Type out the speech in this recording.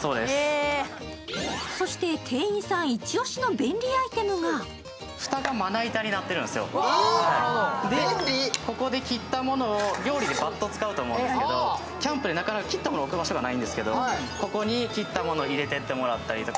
そして定員さんイチオシの便利アイテムがここで切ったものを、料理でバット使うと思うんですけどキャンプでなかなか切ったものを置く場所がないんですけどここに切ったものを入れていってもらたりとか。